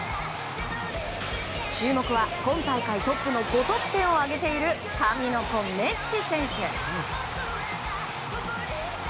注目は、今大会トップの５得点を挙げている神の子、メッシ選手。